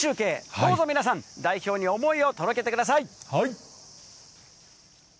どうぞ皆さん、代表に思いを届けてください。